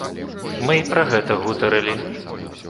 Мы і пра гэта гутарылі.